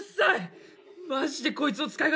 マジでこいつの使い方分からん」